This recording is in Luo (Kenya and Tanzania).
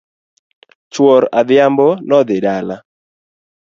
Chuor adhiambo nodhi dala